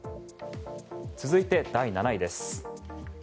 続いて、第７位です。